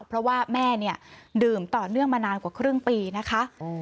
เพราะว่าแม่เนี่ยดื่มต่อเนื่องมานานกว่าครึ่งปีนะคะ